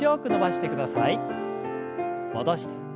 戻して。